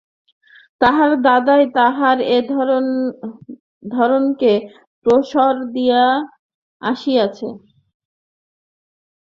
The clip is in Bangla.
তাহার দাদাই তাহার এই ধারণাকে প্রশ্রয় দিয়া আসিয়াছে।